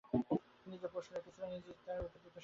তিনি যে প্রশ্ন রেখেছিলেন নিজেই তার উত্তর দিতে সক্ষম হন।